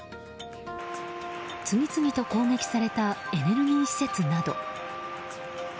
次々と攻撃されたエネルギー施設など。